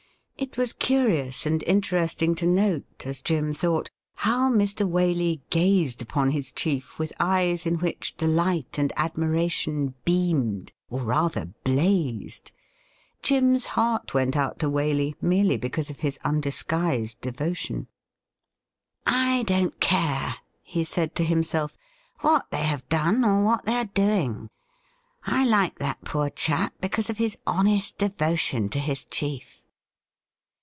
It was curious and interesting to note, as Jim thought, how Mr. Waley gazed upon his chief with eyes in which delight and admiration beamed, or rather blazed. Jim's heart went out to Waley merely because of his undisguised devotion. ' I don't care,' he said to himself, ' what they have done or what they are doing ; I like that poor chap because of his honest devotion to his chief.'